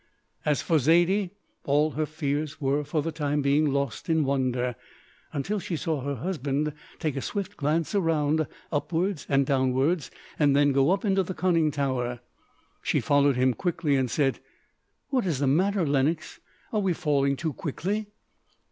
As for Zaidie, all her fears were for the time being lost in wonder, until she saw her husband take a swift glance round upwards and downwards, and then go up into the conning tower. She followed him quickly, and said: "What is the matter, Lenox, are we falling too quickly?"